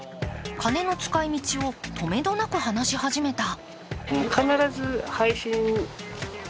金の使い途をとめどなく話し始めた。